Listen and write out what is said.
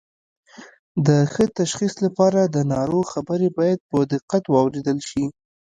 د ښه تشخیص لپاره د ناروغ خبرې باید په دقت واوریدل شي